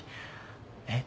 えっ？